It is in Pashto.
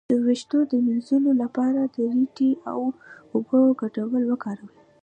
د ویښتو د مینځلو لپاره د ریټې او اوبو ګډول وکاروئ